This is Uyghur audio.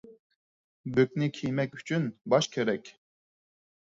بۆكنى كىيمەك ئۈچۈن باش كېرەك.